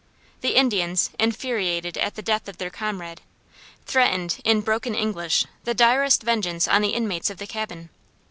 The Indians, infuriated at the death of their comrade, threatened, in broken English, the direst vengeance on the inmates of the cabin.